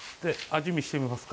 味見してみますか。